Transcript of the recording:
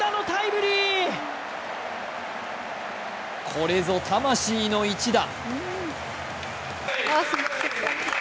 これぞ魂の一打。